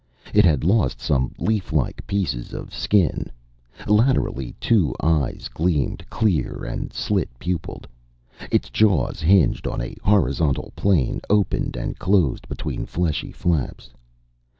It had lost some leaflike pieces of skin. Laterally, two eyes gleamed, clear and slit pupiled. Its jaws, hinged on a horizontal plane, opened and closed between fleshy flaps.